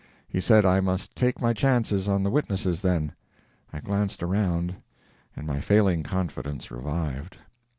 He said I must take my chances on the witnesses then. I glanced around, and my failing confidence revived.